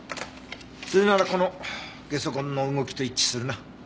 それならこのゲソ痕の動きと一致するな。